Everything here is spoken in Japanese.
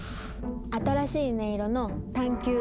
新しい音色の探求！